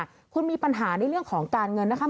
คุณมีปัญหาในเรื่องของการเงินนะคะ